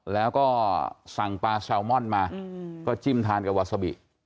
แล้วก็สั่งปลาแซลมอนมาก็จิ้มทานกับวาซาบิ